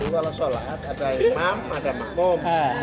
kalau sholat ada imam ada makmum